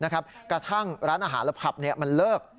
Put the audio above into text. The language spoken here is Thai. กระทั่งร้านอาหารและผับมันเลิก